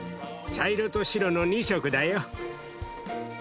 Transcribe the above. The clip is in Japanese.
茶色と白の２色だよ。